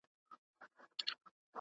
کېدای سي ستونزي حل سي.